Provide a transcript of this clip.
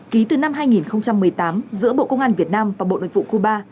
ký từ năm hai nghìn một mươi tám giữa bộ công an việt nam và bộ nội vụ cuba